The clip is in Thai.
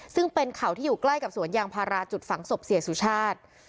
ซึ่งเป็นเขาที่อยู่ใกล้กับสวนยางพาราจุดฝังศพเสียสุชาติ